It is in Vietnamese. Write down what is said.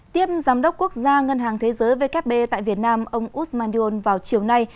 tiếp giám đốc quốc gia ngân hàng thế giới vkb tại việt nam ông usman yon vào chiều nay